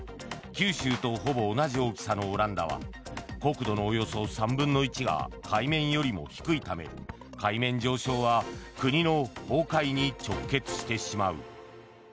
九州とほぼ同じ大きさのオランダは国土のおよそ３分の１が海面よりも低いため海面上昇は国の崩壊に直結してしまう。